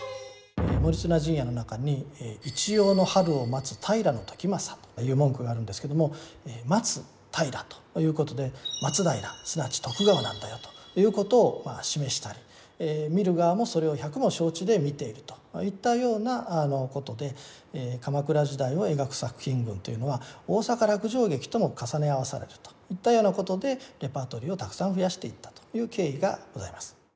「盛綱陣屋」の中にという文句があるんですけども「待つ平」ということで「松平」すなわち徳川なんだよということを示したり見る側もそれを百も承知で見ているといったようなことで鎌倉時代を描く作品群というのは大坂落城劇とも重ね合わされるといったようなことでレパートリーをたくさん増やしていったという経緯がございます。